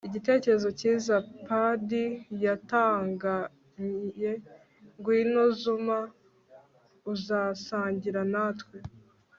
igitekerezo cyiza! padi yatangaye. ngwino, zuma, uzasangira natwe